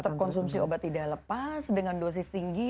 tetap konsumsi obat tidak lepas dengan dosis tinggi